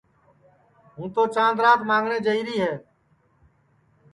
ہوں تو چاند رات مانٚگٹؔے جائیری ہے